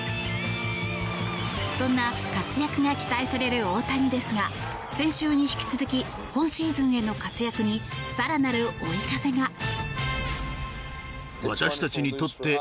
そんな活躍が期待される大谷ですが先週に引き続き今シーズンへの活躍に更なる追い風が。